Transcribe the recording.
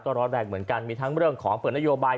ร้อนแรงเหมือนกันมีทั้งเรื่องของเปิดนโยบาย